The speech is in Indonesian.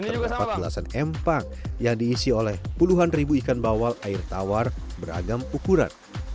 terdapat belasan empang yang diisi oleh puluhan ribu ikan bawal air tawar beragam ukuran